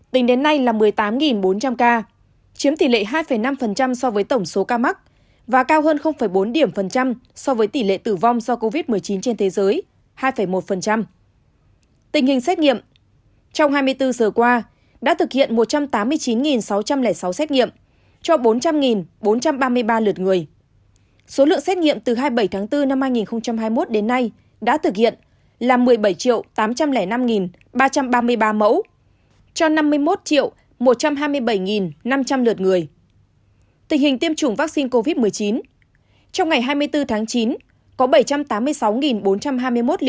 tình hình tiêm chủng vaccine covid một mươi chín trong ngày hai mươi bốn tháng chín có bảy trăm tám mươi sáu bốn trăm hai mươi một liều vaccine covid một mươi chín được tiêm